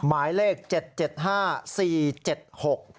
หมายเลขเจ็ดเจ็ดห้าสี่เจ็ดหก